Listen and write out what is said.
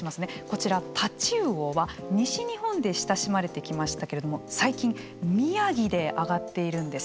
こちらタチウオは西日本で親しまれてきましたけれども最近宮城で揚がっているんです。